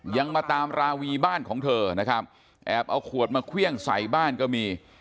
ยังมาตามราวีบ้านของเธอนะครับแอบเอาขวดมาเครื่องใส่บ้านก็มี